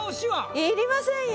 いりませんよ。